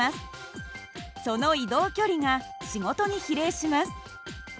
その移動距離が仕事に比例します。